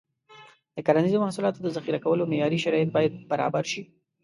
د کرنیزو محصولاتو د ذخیره کولو معیاري شرایط باید برابر شي.